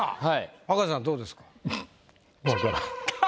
葉加瀬さんどうですか？